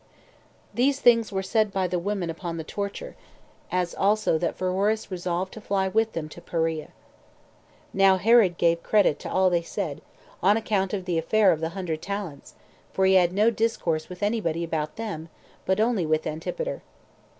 4. These things were said by the women upon the torture; as also that Pheroras resolved to fly with them to Perea. Now Herod gave credit to all they said, on account of the affair of the hundred talents; for he had no discourse with any body about them, but only with Antipater.